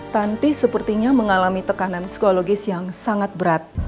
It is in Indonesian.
tanti sepertinya mengalami tekanan psikologis yang sangat berat